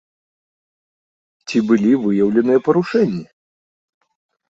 Ці былі выяўленыя парушэнні?